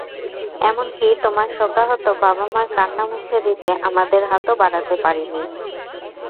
এমনকি তোমার শোকাহত বাবা-মার কান্না মুছে দিতে আমাদের হাতও বাড়াতে পারিনি।